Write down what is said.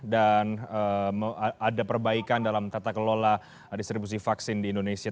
dan ada perbaikan dalam tata kelola distribusi vaksin di indonesia